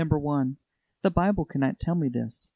The Bible cannot tell me this.